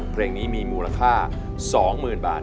เพลงนี้มีมูลค่า๒หมื่นบาท